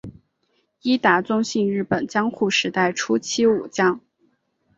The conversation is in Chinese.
伊达宗信日本江户时代初期武将。